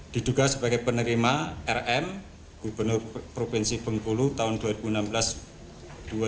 diduga sebagai penerima rm gubernur provinsi bengkulu dan penyidikan empat orang tersangka